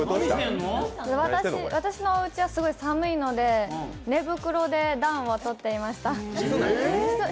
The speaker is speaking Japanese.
私のおうちはすごく寒いので寝袋で暖をとっていました。